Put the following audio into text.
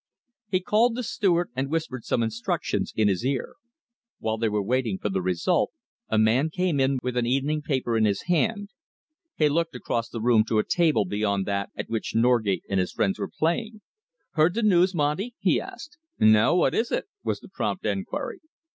He called the steward and whispered some instructions in his ear. While they were waiting for the result, a man came in with an evening paper in his hand. He looked across the room to a table beyond that at which Norgate and his friends were playing. "Heard the news, Monty?" he asked. "No! What is it?" was the prompt enquiry.